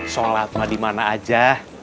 sholat mah dimana aja